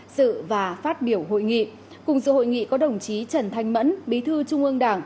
sự và phát biểu hội nghị cùng sự hội nghị có đồng chí trần thanh mẫn bí thư trung ương đảng